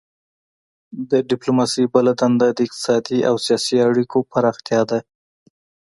د ډیپلوماسي بله دنده د اقتصادي او سیاسي اړیکو پراختیا ده